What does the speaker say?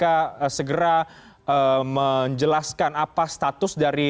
dan segera menjelaskan apa status dari